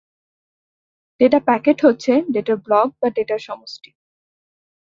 Data packet হচ্ছে ডেটার block বা ডেটার সমষ্টি।